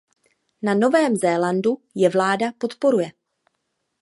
Na Novém Zélandu je vláda podporuje.